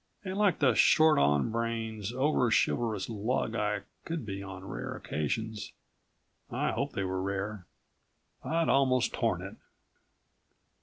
And like the short on brains, over chivalrous lug I could be on rare occasions I hoped they were rare I'd almost torn it.